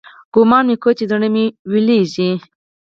ګومان مې کاوه چې زړه مې ويلېږي.